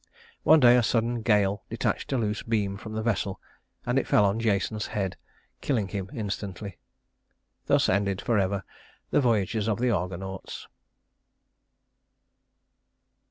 One day a sudden gale detached a loose beam from the vessel, and it fell on Jason's head, killing him instantly. Thus ended forever the voyages of the Argonauts.